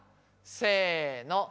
せの。